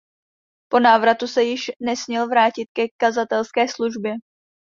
Po návratu se již nesměl vrátit ke kazatelské službě.